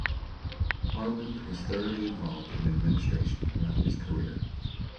Harland was thoroughly involved in administration throughout his career.